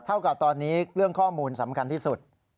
เท่ากับตอนนี้เรื่องข้อมูลสำคัญที่สุด